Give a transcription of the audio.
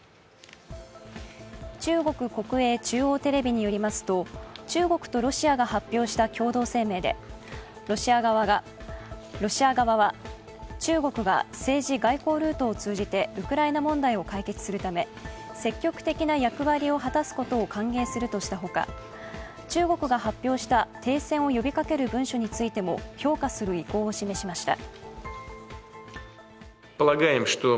中国国営中央テレビによりますと中国とロシアが発表した共同声明で、ロシア側は、中国が政治、外交ルートを通じてウクライナ問題を解決するため、積極的な役割を果たすことを歓迎するとしたほか中国が発表した停戦を呼びかける文書についても評価する意向を示しました。